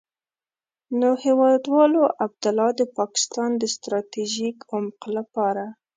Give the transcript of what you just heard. نو هېوادوالو، عبدالله د پاکستان د ستراتيژيک عمق لپاره.